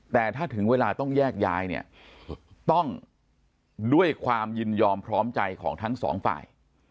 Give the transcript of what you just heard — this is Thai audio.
แต่ถ้าถึงเวลาต้องแยกย้ายเนี่ยต้องด้วยความยินยอมพร้อมใจของทั้งสองฝ่าย